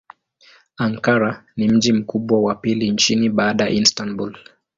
Ankara ni mji mkubwa wa pili nchini baada ya Istanbul.